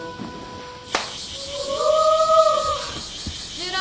１６。